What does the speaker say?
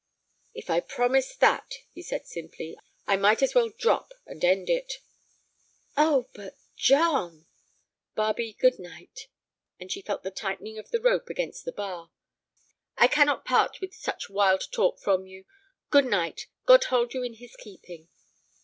"If I promised that," he said, simply, "I might as well drop and end it." "Oh—but—John—" "Barbe, good night." And she felt the tightening of the rope against the bar. "I cannot part with such wild talk from you. Good night. God hold you in His keeping."